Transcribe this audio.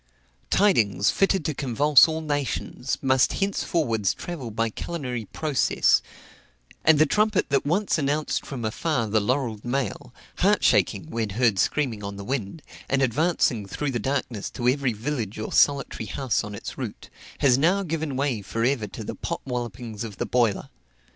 Tidings, fitted to convulse all nations, must henceforwards travel by culinary process; and the trumpet that once announced from afar the laurelled mail, heart shaking, when heard screaming on the wind, and advancing through the darkness to every village or solitary house on its route, has now given way for ever to the pot wallopings of the boiler.